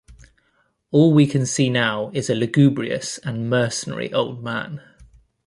All we can see now is a lugubrious and mercenary old man.